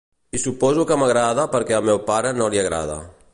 I suposo que m'agrada perquè al meu pare no li agrada.